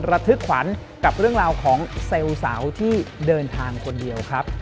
ระทึกขวัญกับเรื่องราวของเซลล์สาวที่เดินทางคนเดียวครับ